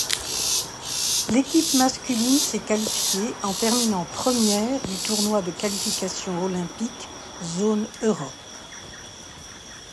L'équipe masculine s'est qualifiée en terminant première du Tournoi de qualification olympique zone Europe.